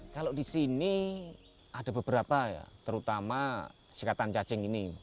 kalau di sini ada beberapa ya terutama sikatan cacing ini